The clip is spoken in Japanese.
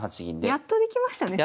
やっとできましたね